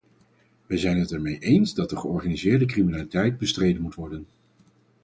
Wij zijn het ermee eens dat de georganiseerde criminaliteit bestreden moet worden.